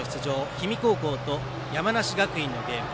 氷見高校と山梨学院のゲーム。